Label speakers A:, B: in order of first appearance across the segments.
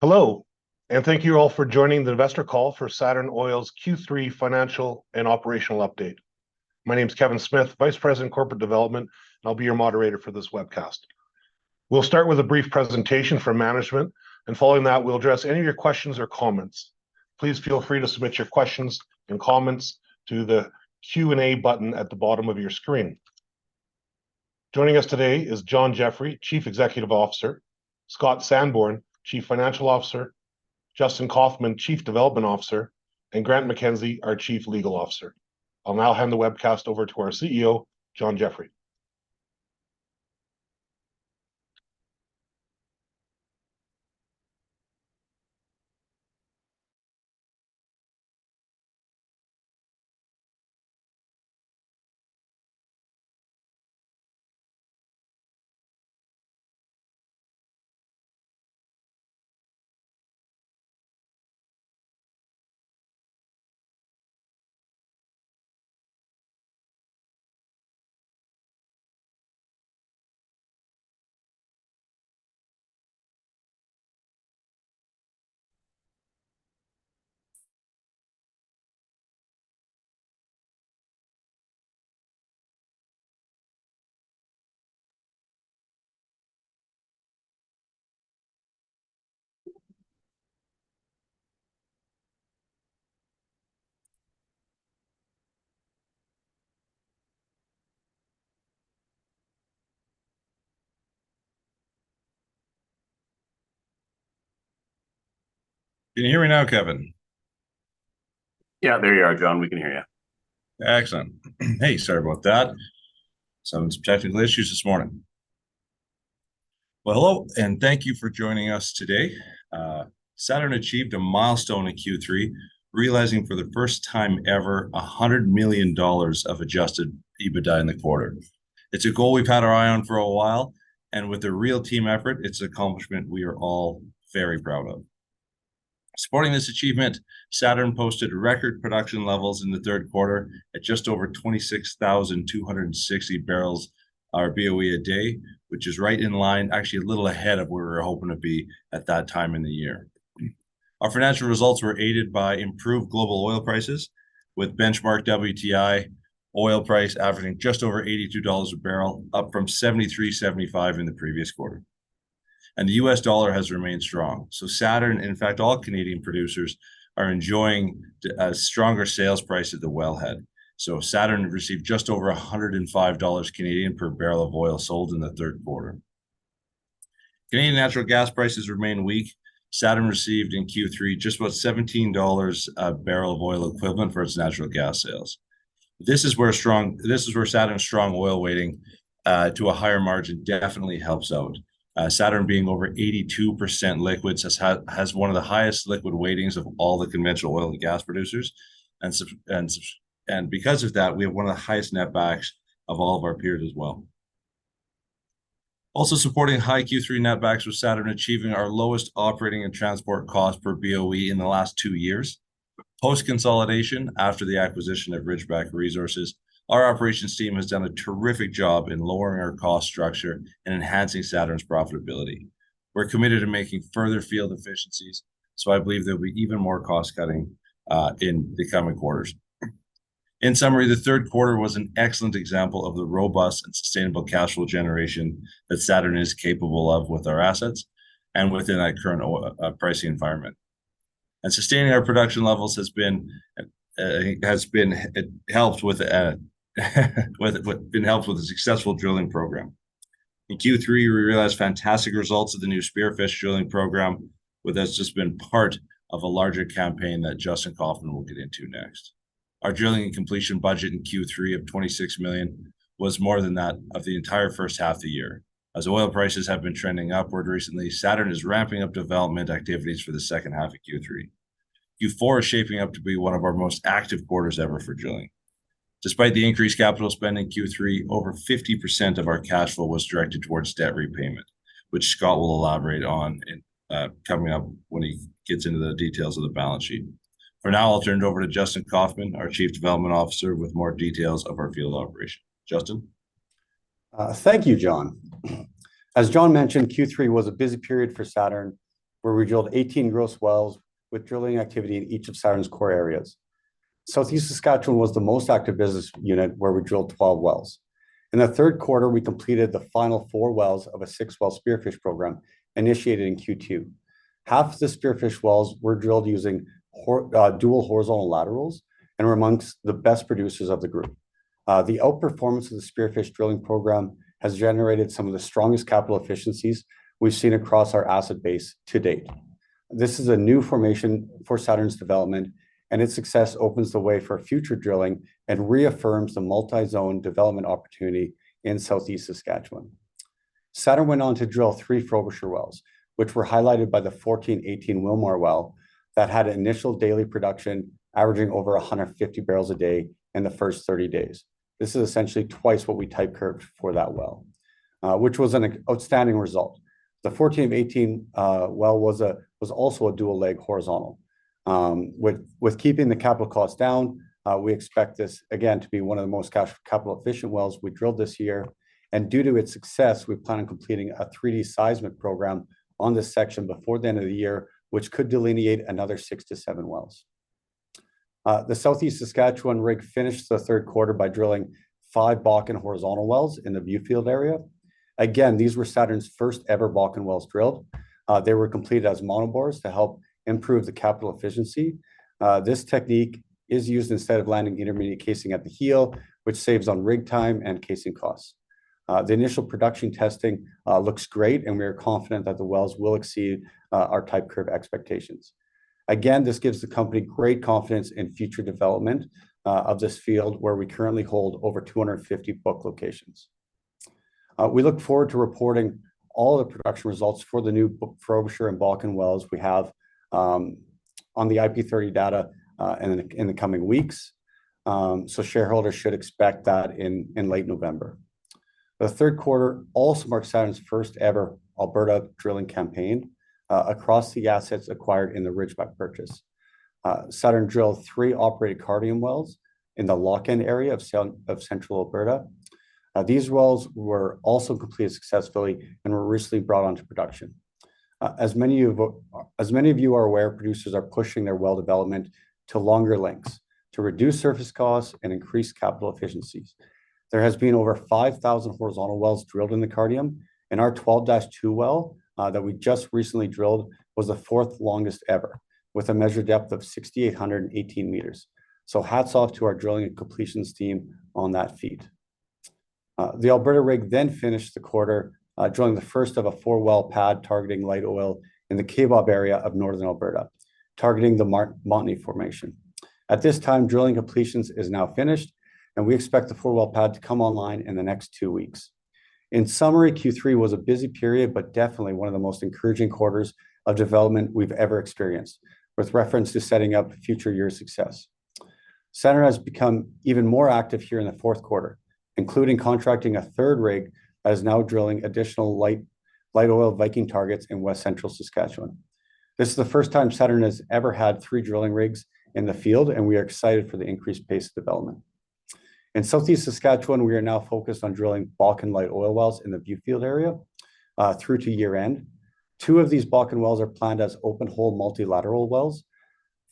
A: Hello, and thank you all for joining the Investor Call for Saturn Oil's Q3 Financial and Operational Update. My name is Kevin Smith, Vice President, Corporate Development, and I'll be your moderator for this webcast. We'll start with a brief presentation from management, and following that, we'll address any of your questions or comments. Please feel free to submit your questions and comments to the Q&A button at the bottom of your screen. Joining us today is John Jeffrey, Chief Executive Officer, Scott Sanborn, Chief Financial Officer, Justin Kaufmann, Chief Development Officer, and Grant MacKenzie, our Chief Legal Officer. I'll now hand the webcast over to our CEO, John Jeffrey.
B: Can you hear me now, Kevin?
A: Yeah, there you are, John. We can hear you.
B: Excellent. Hey, sorry about that. Having some technical issues this morning. Well, hello, and thank you for joining us today. Saturn achieved a milestone in Q3, realizing for the first time ever, 100 million dollars of adjusted EBITDA in the quarter. It's a goal we've had our eye on for a while, and with a real team effort, it's an accomplishment we are all very proud of. Supporting this achievement, Saturn posted record production levels in the third quarter at just over 26,260 BOE a day, which is right in line, actually, a little ahead of where we were hoping to be at that time in the year. Our financial results were aided by improved global oil prices, with benchmark WTI oil price averaging just over $82 a barrel, up from $73-$75 in the previous quarter. And the U.S. dollar has remained strong. So Saturn, in fact, all Canadian producers, are enjoying stronger sales price at the wellhead. So Saturn received just over 105 Canadian dollars per barrel of oil sold in the third quarter. Canadian natural gas prices remain weak. Saturn received in Q3 just about 17 dollars barrel of oil equivalent for its natural gas sales. This is where Saturn's strong oil weighting to a higher margin definitely helps out. Saturn, being over 82% liquids, has one of the highest liquid weightings of all the conventional oil and gas producers. And because of that, we have one of the highest netbacks of all of our peers as well. Also supporting high Q3 netbacks was Saturn achieving our lowest operating and transport cost per BOE in the last two years. Post consolidation, after the acquisition of Ridgeback Resources, our operations team has done a terrific job in lowering our cost structure and enhancing Saturn's profitability. We're committed to making further field efficiencies, so I believe there'll be even more cost cutting in the coming quarters. In summary, the third quarter was an excellent example of the robust and sustainable cash flow generation that Saturn is capable of with our assets and within our current oil pricing environment. And sustaining our production levels has been helped with a successful drilling program. In Q3, we realized fantastic results of the new Spearfish drilling program, but that's just been part of a larger campaign that Justin Kaufmann will get into next. Our drilling and completion budget in Q3 of 26 million was more than that of the entire first half of the year. As oil prices have been trending upward recently, Saturn is ramping up development activities for the second half of Q3. Q4 is shaping up to be one of our most active quarters ever for drilling. Despite the increased capital spend in Q3, over 50% of our cash flow was directed towards debt repayment, which Scott will elaborate on in coming up when he gets into the details of the balance sheet. For now, I'll turn it over to Justin Kaufmann, our Chief Development Officer, with more details of our field operation. Justin?
C: Thank you, John. As John mentioned, Q3 was a busy period for Saturn, where we drilled 18 gross wells with drilling activity in each of Saturn's core areas. Southeast Saskatchewan was the most active business unit, where we drilled 12 wells. In the third quarter, we completed the final four wells of a six-well Spearfish program initiated in Q2. Half the Spearfish wells were drilled using dual horizontal laterals and were amongst the best producers of the group. The outperformance of the Spearfish drilling program has generated some of the strongest capital efficiencies we've seen across our asset base to date. This is a new formation for Saturn's development, and its success opens the way for future drilling and reaffirms the multi-zone development opportunity in Southeast Saskatchewan. Saturn went on to drill three Frobisher wells, which were highlighted by the 14-18 Willmar well that had initial daily production averaging over 150 barrels a day in the first 30 days. This is essentially twice what we type curved for that well, which was an outstanding result. The 14-18 well was also a dual leg horizontal. With keeping the capital costs down, we expect this, again, to be one of the most cash, capital-efficient wells we drilled this year. And due to its success, we plan on completing a 3D seismic program on this section before the end of the year, which could delineate another 6-7 wells. The Southeast Saskatchewan rig finished the third quarter by drilling five Bakken horizontal wells in the Viewfield area. Again, these were Saturn's first-ever Bakken wells drilled. They were completed as monobores to help improve the capital efficiency. This technique is used instead of landing intermediate casing at the heel, which saves on rig time and casing costs. The initial production testing looks great, and we are confident that the wells will exceed our type curve expectations. Again, this gives the company great confidence in future development of this field, where we currently hold over 250 book locations. We look forward to reporting all the production results for the new Frobisher and Bakken wells we have on the IP30 data in the coming weeks. So shareholders should expect that in late November. The third quarter also marks Saturn's first-ever Alberta drilling campaign across the assets acquired in the Ridgeback purchase. Saturn drilled three operated Cardium wells in the Lochend area of south-central Alberta. These wells were also completed successfully and were recently brought onto production. As many of you are aware, producers are pushing their well development to longer lengths to reduce surface costs and increase capital efficiencies. There has been over 5,000 horizontal wells drilled in the Cardium, and our 12-2 well that we just recently drilled was the fourth longest ever, with a measured depth of 6,818 meters. So hats off to our drilling and completions team on that feat. The Alberta rig then finished the quarter drilling the first of a four-well pad targeting light oil in the Kaybob area of Northern Alberta, targeting the Montney formation. At this time, drilling completions is now finished, and we expect the four-well pad to come online in the next two weeks. In summary, Q3 was a busy period, but definitely one of the most encouraging quarters of development we've ever experienced, with reference to setting up future year success. Saturn has become even more active here in the fourth quarter, including contracting a third rig that is now drilling additional light oil Viking targets in West Central Saskatchewan. This is the first time Saturn has ever had three drilling rigs in the field, and we are excited for the increased pace of development. In Southeast Saskatchewan, we are now focused on drilling Bakken light oil wells in the Viewfield area through to year-end. Two of these Bakken wells are planned as open-hole multilateral wells.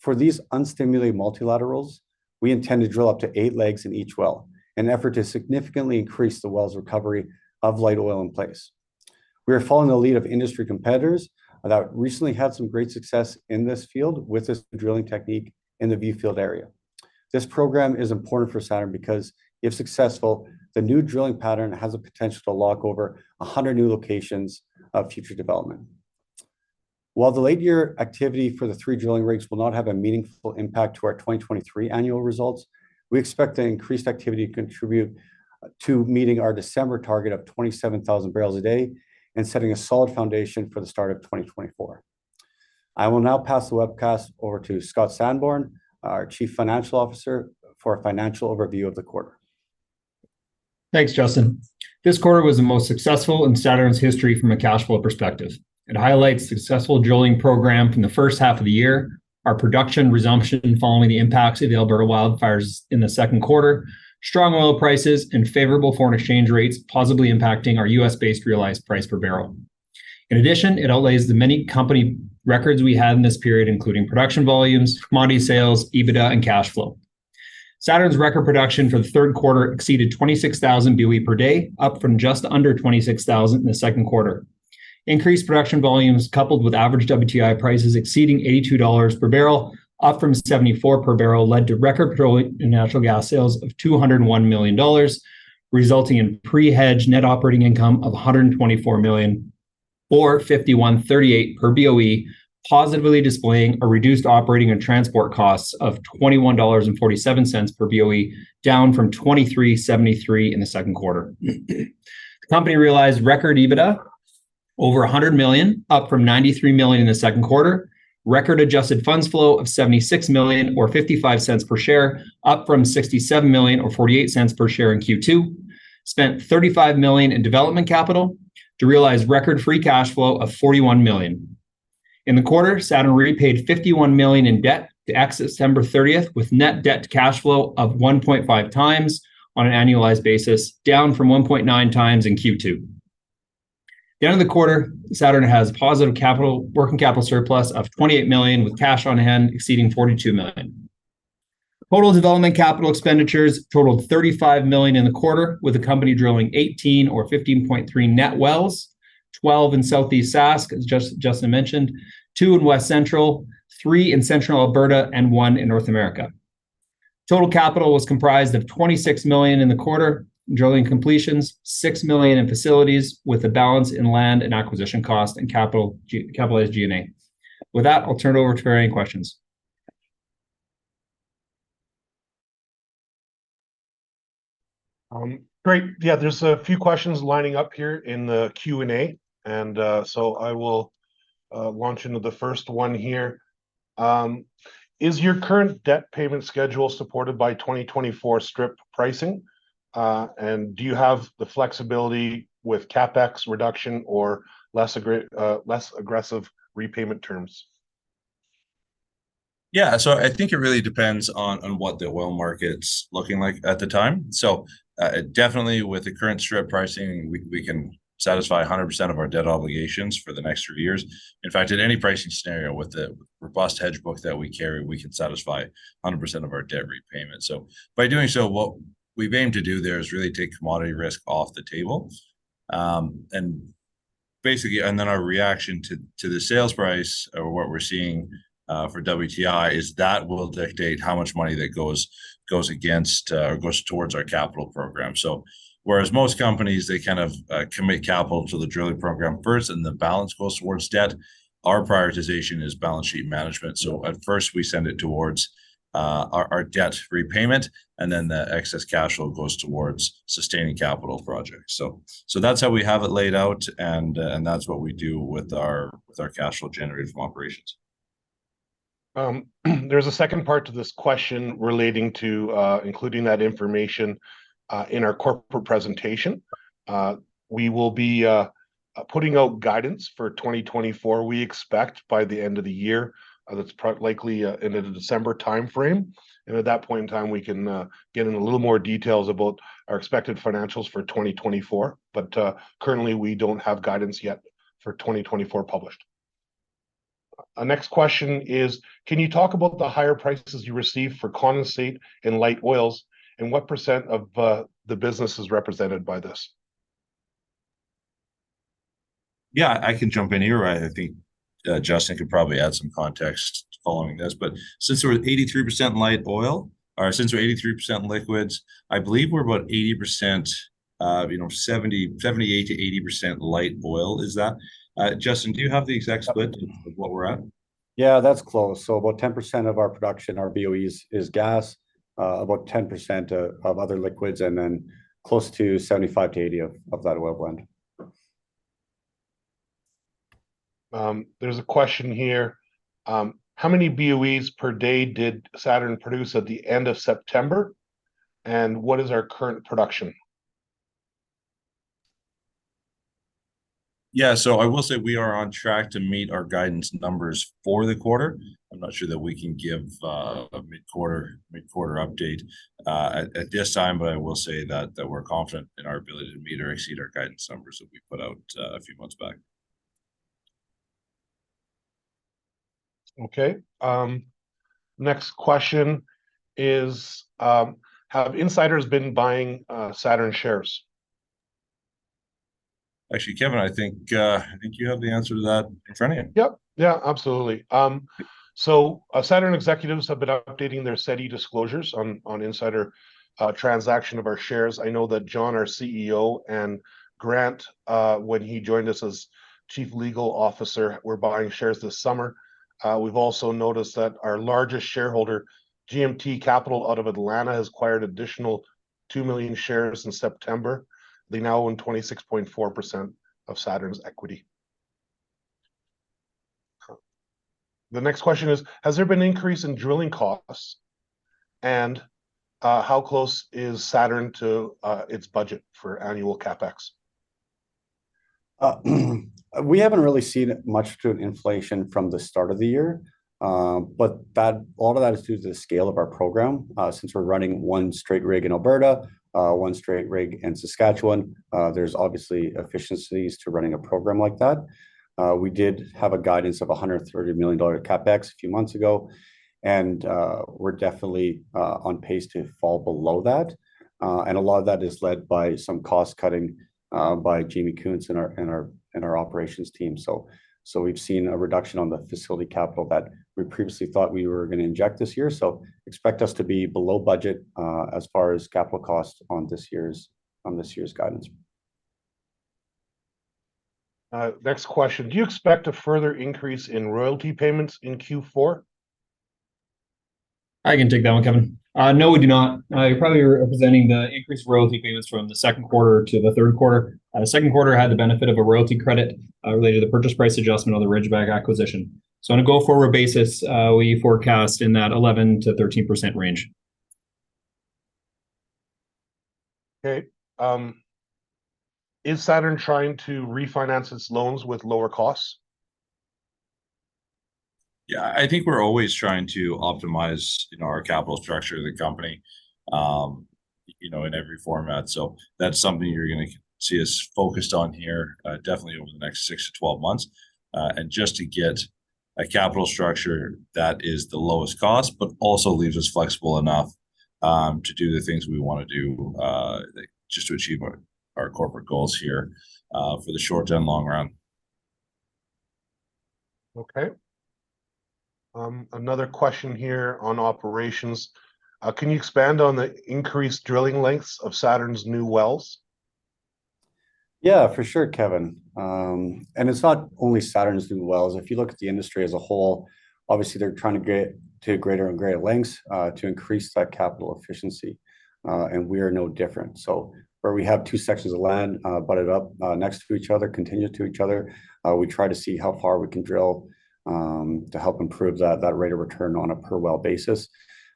C: For these unstimulated multilaterals, we intend to drill up to eight legs in each well, an effort to significantly increase the well's recovery of light oil in place. We are following the lead of industry competitors that recently had some great success in this field with this drilling technique in the Viewfield area. This program is important for Saturn because, if successful, the new drilling pattern has the potential to lock over 100 new locations of future development. While the late year activity for the three drilling rigs will not have a meaningful impact to our 2023 annual results, we expect the increased activity to contribute to meeting our December target of 27,000 barrels a day and setting a solid foundation for the start of 2024. I will now pass the webcast over to Scott Sanborn, our Chief Financial Officer, for a financial overview of the quarter.
D: Thanks, Justin. This quarter was the most successful in Saturn's history from a cash flow perspective. It highlights successful drilling program from the first half of the year, our production resumption following the impacts of the Alberta wildfires in the second quarter, strong oil prices and favorable foreign exchange rates positively impacting our U.S.-based realized price per barrel. In addition, it outlines the many company records we had in this period, including production volumes, commodity sales, EBITDA, and cash flow. Saturn's record production for the third quarter exceeded 26,000 BOE per day, up from just under 26,000 in the second quarter. Increased production volumes, coupled with average WTI prices exceeding $82 per barrel, up from $74 per barrel, led to record petroleum and natural gas sales of 201 million dollars, resulting in pre-hedge net operating income of 124 million, or 51.38 per BOE, positively displaying a reduced operating and transport costs of 21.47 dollars per BOE, down from 23.73 in the second quarter. The company realized record EBITDA, over 100 million, up from 93 million in the second quarter. Record adjusted funds flow of 76 million, or 0.55 per share, up from 67 million, or 0.48 per share in Q2. Spent 35 million in development capital to realize record free cash flow of 41 million. In the quarter, Saturn repaid 51 million in debt to exit September 30, with net debt to cash flow of 1.5x on an annualized basis, down from 1.9x in Q2. At the end of the quarter, Saturn has positive working capital surplus of 28 million, with cash on hand exceeding 42 million. Total development capital expenditures totaled 35 million in the quarter, with the company drilling 18 or 15.3 net wells, 12 in Southeast Sask, as Justin mentioned, two in West Central, three in Central Alberta, and 1 in Northern Alberta. Total capital was comprised of 26 million in the quarter, drilling completions, 6 million in facilities, with the balance in land and acquisition cost and capitalized G&A. With that, I'll turn it over to any questions.
A: Great. Yeah, there's a few questions lining up here in the Q&A, and so I will launch into the first one here. Is your current debt payment schedule supported by 2024 strip pricing?... and do you have the flexibility with CapEx reduction or less aggressive repayment terms?
B: Yeah, so I think it really depends on what the oil market's looking like at the time. So, definitely with the current strip pricing, we can satisfy 100% of our debt obligations for the next few years. In fact, in any pricing scenario, with the robust hedge book that we carry, we can satisfy 100% of our debt repayment. So by doing so, what we've aimed to do there is really take commodity risk off the table. And basically, and then our reaction to the sales price or what we're seeing for WTI is that will dictate how much money that goes against or goes towards our capital program. So whereas most companies, they kind of commit capital to the drilling program first, and the balance goes towards debt, our prioritization is balance sheet management. So at first, we send it towards, our, our debt repayment, and then the excess cash flow goes towards sustaining capital projects. So, so that's how we have it laid out, and, and that's what we do with our, with our cash flow generated from operations.
A: There's a second part to this question relating to including that information in our corporate presentation. We will be putting out guidance for 2024, we expect by the end of the year. That's likely in the December timeframe. At that point in time, we can get into a little more details about our expected financials for 2024. Currently, we don't have guidance yet for 2024 published. Our next question is, can you talk about the higher prices you received for condensate and light oils, and what percent of the business is represented by this?
B: Yeah, I can jump in here. I think Justin could probably add some context following this. But since we're 83% light oil, or since we're 83% liquids, I believe we're about 80%, you know, 78%-80% light oil. Is that... Justin, do you have the exact split-
C: Yeah...
B: of what we're at?
C: Yeah, that's close. So about 10% of our production, our BOEs, is gas, about 10% of other liquids, and then close to 75%-80% of that oil blend.
A: There's a question here: how many BOEs per day did Saturn produce at the end of September, and what is our current production?
B: Yeah, so I will say we are on track to meet our guidance numbers for the quarter. I'm not sure that we can give a mid-quarter update at this time, but I will say that we're confident in our ability to meet or exceed our guidance numbers that we put out a few months back.
A: Okay, next question is: Have insiders been buying Saturn shares?
B: Actually, Kevin, I think, I think you have the answer to that in front of you.
A: Yep. Yeah, absolutely. So, Saturn executives have been updating their SEDI disclosures on insider transaction of our shares. I know that John, our CEO, and Grant, when he joined us as Chief Legal Officer, were buying shares this summer. We've also noticed that our largest shareholder, GMT Capital, out of Atlanta, has acquired additional 2 million shares in September. They now own 26.4% of Saturn's equity. The next question is: Has there been an increase in drilling costs, and how close is Saturn to its budget for annual CapEx?
C: We haven't really seen much in the way of inflation from the start of the year. But that. A lot of that is due to the scale of our program. Since we're running one straight rig in Alberta, one straight rig in Saskatchewan, there's obviously efficiencies to running a program like that. We did have a guidance of 130 million dollar CapEx a few months ago, and we're definitely on pace to fall below that. And a lot of that is led by some cost-cutting by Jamie Kuntz and our operations team. So we've seen a reduction on the facility capital that we previously thought we were gonna inject this year. So expect us to be below budget as far as capital costs on this year's guidance.
A: Next question: Do you expect a further increase in royalty payments in Q4?
E: I can take that one, Kevin. No, we do not. You're probably representing the increased royalty payments from the second quarter to the third quarter. The second quarter had the benefit of a royalty credit, related to the purchase price adjustment on the Ridgeback acquisition. So on a go-forward basis, we forecast in that 11%-13% range.
A: Okay, is Saturn trying to refinance its loans with lower costs?
B: Yeah, I think we're always trying to optimize, you know, our capital structure of the company, you know, in every format. So that's something you're gonna see us focused on here, definitely over the next 6-12 months. And just to get a capital structure that is the lowest cost, but also leaves us flexible enough, to do the things we want to do, just to achieve our, our corporate goals here, for the short and long run.
A: Okay. Another question here on operations. Can you expand on the increased drilling lengths of Saturn's new wells?...
C: Yeah, for sure, Kevin. And it's not only Saturn who's doing well. If you look at the industry as a whole, obviously, they're trying to get to greater and greater lengths to increase that capital efficiency, and we are no different. So where we have two sections of land butted up next to each other, continuous to each other, we try to see how far we can drill to help improve that, that rate of return on a per well basis.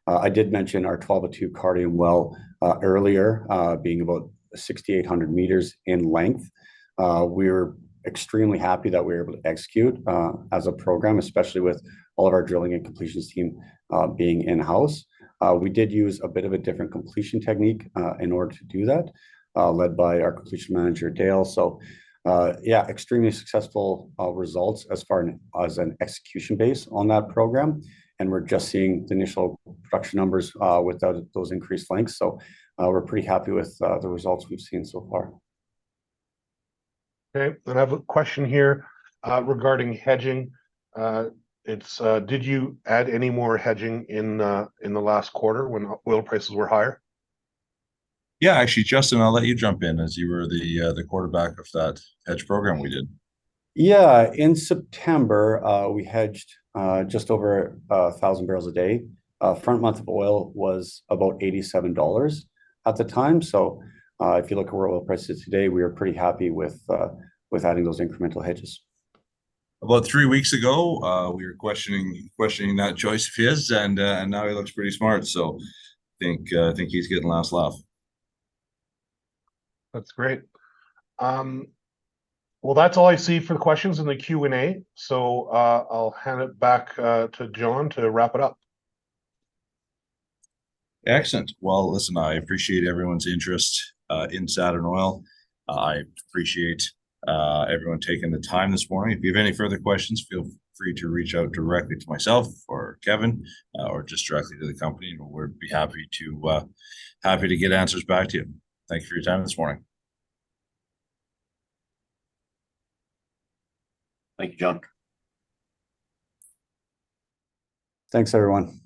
C: I did mention our 12-02 Cardium well earlier, being about 6,800 meters in length. We're extremely happy that we were able to execute as a program, especially with all of our drilling and completions team being in-house. We did use a bit of a different completion technique in order to do that, led by our completion manager, Dale. So, yeah, extremely successful results as far as an execution base on that program, and we're just seeing the initial production numbers with those increased lengths. So, we're pretty happy with the results we've seen so far.
A: Okay, then I have a question here regarding hedging. Did you add any more hedging in the last quarter when oil prices were higher?
B: Yeah. Actually, Justin, I'll let you jump in, as you were the quarterback of that hedge program we did.
C: Yeah. In September, we hedged just over a thousand barrels a day. Front month of oil was about $87 at the time. So, if you look at where oil price is today, we are pretty happy with adding those incremental hedges.
B: About three weeks ago, we were questioning that choice of his, and now he looks pretty smart, so I think he's getting the last laugh.
A: That's great. Well, that's all I see for the questions in the Q&A, so, I'll hand it back to John, to wrap it up.
B: Excellent. Well, listen, I appreciate everyone's interest in Saturn Oil. I appreciate everyone taking the time this morning. If you have any further questions, feel free to reach out directly to myself or Kevin, or just directly to the company, and we'd be happy to get answers back to you. Thank you for your time this morning.
C: Thank you, John.
B: Thanks, everyone.